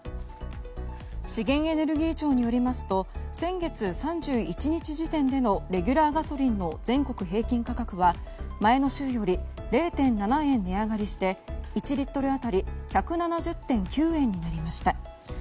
資源エネルギー庁によりますと先月３１日時点でのレギュラーガソリンの全国平均価格は前の週より０．７円値上がりして１リットル当たり１７０．９円になりました。